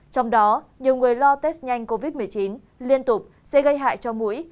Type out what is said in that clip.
trong đó nhiều người lo test nhanh covid một mươi chín liên tục sẽ gây hại cho mũi